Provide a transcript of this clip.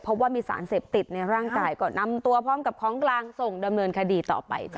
เพราะว่ามีสารเสพติดในร่างกายก็นำตัวพร้อมกับของกลางส่งดำเนินคดีต่อไปจ้